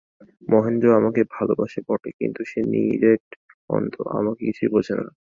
মহেন্দ্র আমাকে ভালোবাসে বটে, কিন্তু সে নিরেট অন্ধ, আমাকে কিছুই বোঝে না।